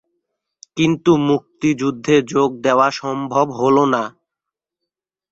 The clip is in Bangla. কিন্তু মুক্তিযুদ্ধে যোগ দেওয়া সম্ভব হলো না।